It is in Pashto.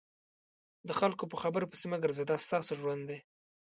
د خلکو په خبرو پسې مه ګرځه دا ستاسو ژوند دی.